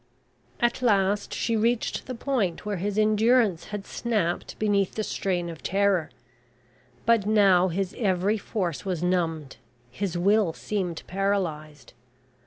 At last, she reached the point where his endurance had snapped beneath the strain of terror, but now his every force was numbed his will seemed paralysed.